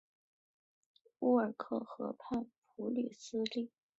乌尔克河畔普吕斯利。